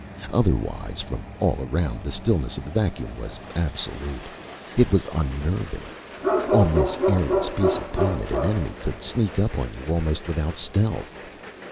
Otherwise, from all around, the stillness of the vacuum was absolute. It was unnerving. On this airless piece of a planet, an enemy could sneak up on you, almost without stealth.